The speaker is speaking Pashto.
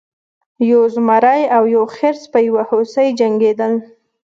یو زمری او یو خرس په یو هوسۍ جنګیدل.